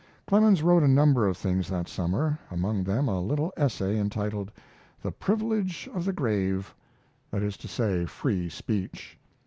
Clemens wrote a number of things that summer, among them a little essay entitled, "The Privilege of the Grave" that is to say, free speech.